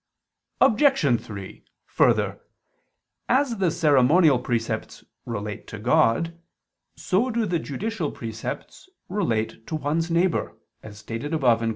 Obj. 3: Further, as the ceremonial precepts relate to God, so do the judicial precepts relate to one's neighbor, as stated above (Q.